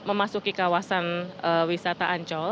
memasuki kawasan wisata ancol